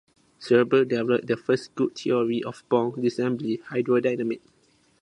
Serber developed the first good theory of bomb disassembly hydrodynamics.